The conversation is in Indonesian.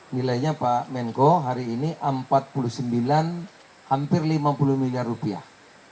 nilainya pak menko hari ini empat puluh sembilan hampir lima puluh miliar rupiah